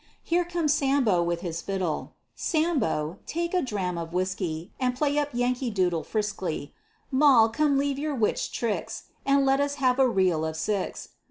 Here comes Sambo with his fiddle; Sambo, take a dram of whiskey, And play up Yankee Doodle frisky. Moll, come leave your witched tricks, And let us have a reel of six.